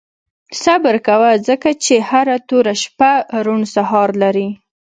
• صبر کوه، ځکه چې هره توره شپه روڼ سهار لري.